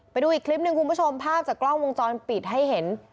ไปดูอีกคลิปหนึ่งคุณผู้ชมภาพจากกล้องวงจรปิดให้เห็น